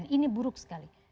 ini buruk sekali